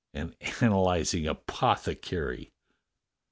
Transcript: An analyzing apothecary!"